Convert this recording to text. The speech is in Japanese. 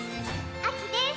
あきです！